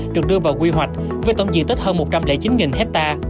được đưa vào quy hoạch với tổng diện tích hơn một trăm linh chín ha